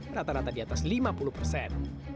rata rata di atas lima puluh persen